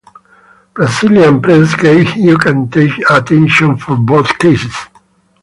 Brazilian press gave huge attention for both cases.